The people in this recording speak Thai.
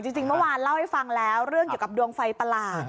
จริงเมื่อวานเล่าให้ฟังแล้วเรื่องเกี่ยวกับดวงไฟประหลาด